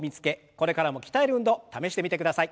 これからも鍛える運動試してみてください。